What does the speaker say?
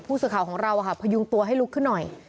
ผู้สื่อข่าวของเราพยุงตัวให้ลุกขึ้นหน่อย